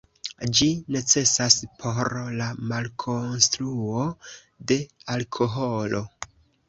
Ĝi necesas por la malkonstruo de alkoholo.